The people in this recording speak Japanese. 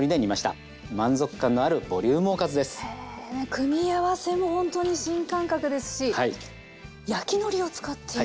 組み合わせもほんとに新感覚ですし焼きのりを使っていく。